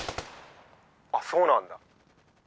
「あそうなんだ。